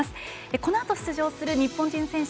このあと出場する日本人選手